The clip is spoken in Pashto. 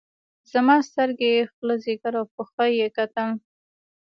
زما سترګې خوله ځيګر او پښه يې کتل.